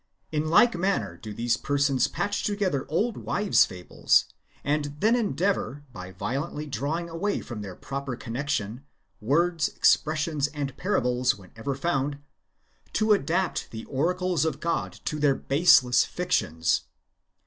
In like manner do these persons patch together old wives' fables, and then endeavour, by violently drawing away from their proper con nection, words, expressions, and parables whenever found, to adapt the oracles of God to their baseless fictions.